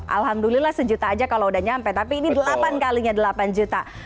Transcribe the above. alhamdulillah sejuta aja kalau udah nyampe tapi ini delapan kalinya delapan juta